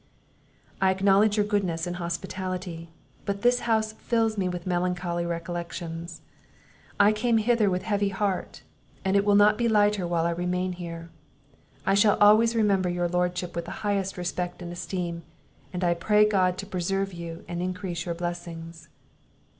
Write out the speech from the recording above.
"I acknowledge your goodness and hospitality, but this house fills me with melancholy recollections; I came hither with a heavy heart, and it will not be lighter while I remain here. I shall always remember your lordship with the highest respect and esteem; and I pray God to preserve you, and increase your blessings!"